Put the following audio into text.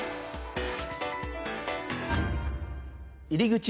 入り口。